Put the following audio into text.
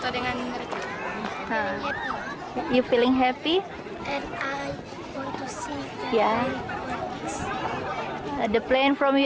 dan saya ingin melihat pesawat tempur dari amerika